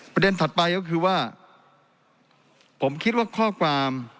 ถัดไปก็คือว่าผมคิดว่าข้อความ